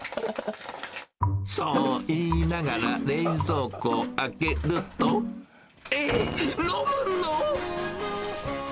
そう言いながら、冷蔵庫を開けると、えっ、飲むの？